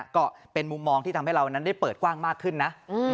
ก็เป็นมุมมองที่ทำให้เรานั้นได้เปิดกว้างมากขึ้นนะ